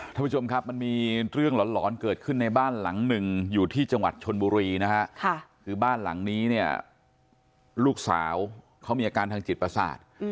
ท่านผู้ชมครับมันมีเรื่องหลอนเกิดขึ้นในบ้านหลังหนึ่งอยู่ที่จังหวัดชนบุรีนะฮะคือบ้านหลังนี้เนี่ยลูกสาวเขามีอาการทางจิตประสาท